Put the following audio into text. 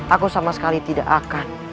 aku sama sekali tidak akan menghukum kalian